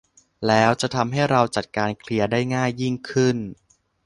แล้วจะทำให้เราจัดการเคลียร์ได้ง่ายยิ่งขึ้น